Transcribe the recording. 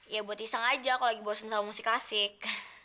ya buat iseng aja kalau lagi bosen sama musik klasik